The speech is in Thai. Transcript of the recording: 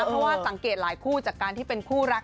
เพราะว่าสังเกตหลายคู่จากการที่เป็นคู่รัก